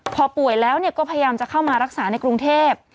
พอป่วยแล้วก็พยายามจะเข้ามารักษาในกรุงเทพ